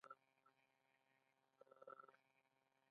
داوود خان ورو ولاړ شو.